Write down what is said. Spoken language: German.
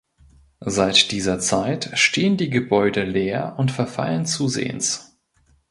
Seit dieser Zeit stehen die Gebäude leer und verfallen zusehends.